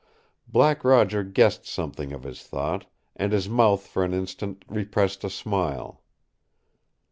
Black Roger guessed something of his thought, and his mouth for an instant repressed a smile.